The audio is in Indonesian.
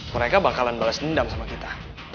mereka bakalan balas dendam sama kita